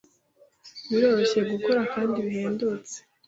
Biroroshye gukora kandi bihendutse.